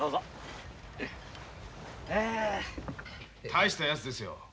大したやつですよ。